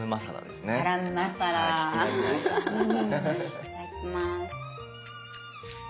いただきます。